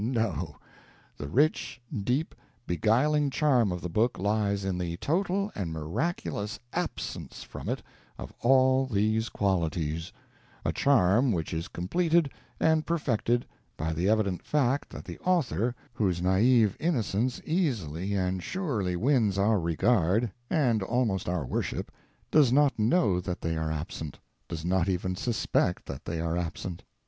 No; the rich, deep, beguiling charm of the book lies in the total and miraculous _absence _from it of all these qualities a charm which is completed and perfected by the evident fact that the author, whose naive innocence easily and surely wins our regard, and almost our worship, does not know that they are absent, does not even suspect that they are absent.